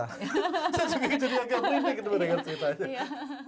saya juga jadi agak berhenti ketemu dengan ceritanya